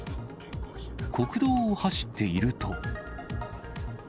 国道を走っていると。